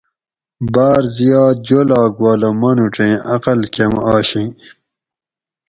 باۤر زیات جولاگ والہ مانُوڄیں عقل کم آشیں